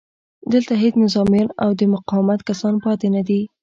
دلته هېڅ نظامیان او د مقاومت کسان پاتې نه دي